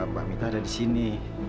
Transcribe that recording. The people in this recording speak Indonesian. pak mita ada di sini